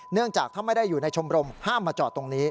เนื่องจากถ้าไม่ได้อยู่ในชมรมห้ามมาจอดตรงนี้